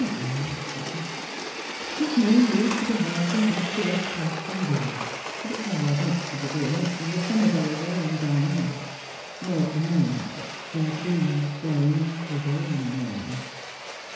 '' Oh, well," she said, " there's no use to be harkin' back to what's past an' gone. But it's hard not to be doin' it, when the summer's over an' gone an' naught remains but dead leaves blowin' hither an' yon."